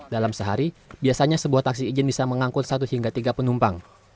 dalam sehari biasanya sebuah taksi izin bisa mengangkut satu hingga tiga penumpang